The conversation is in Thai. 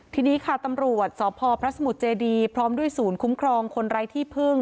ทีนี้ค่ะตำรวจสพพระสมุทรเจดีพร้อมด้วยศูนย์คุ้มครองคนไร้ที่พึ่ง